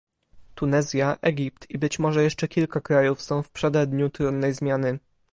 Tunezja, Egipt i być może jeszcze kilka krajów są w przededniu trudnej zmiany